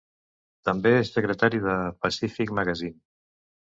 També és secretari de "Pacific Magazine".